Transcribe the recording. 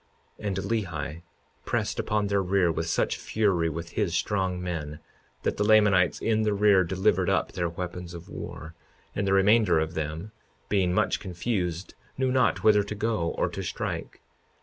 52:36 And Lehi pressed upon their rear with such fury with his strong men, that the Lamanites in the rear delivered up their weapons of war; and the remainder of them, being much confused, knew not whither to go or to strike.